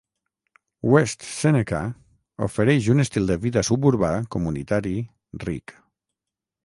West Seneca ofereix un estil de vida suburbà comunitari ric.